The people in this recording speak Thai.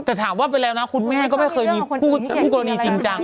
แต่ถอดวันไปแล้วนะคุณแม่นะคะไม่เคยมีผู้โปรดีจริงนะ